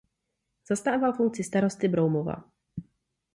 Zastával funkci starosty Broumova.